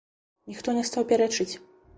Ніхто не стаў пярэчыць.